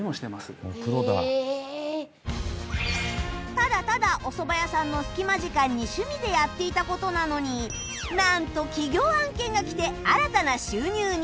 ただただおそば屋さんのスキマ時間に趣味でやっていた事なのになんと企業案件が来て新たな収入に